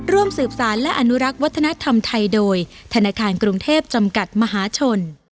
ร่วมสืบสารและอนุรักษ์วัฒนธรรมไทยโดยธนาคารกรุงเทพจำกัดมหาชน